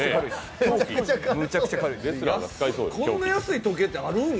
こんな安い時計ってあるんや。